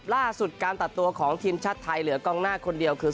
ล่าสุดการตัดตัวของทีมชาติไทยเหลือกองหน้าคนเดียวคือ